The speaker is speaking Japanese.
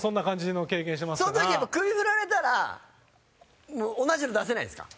その時やっぱ首振られたらもう同じの出せないんですか？